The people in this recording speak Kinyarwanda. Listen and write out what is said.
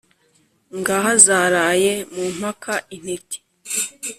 ngaha zaraye mu mpaka intiti.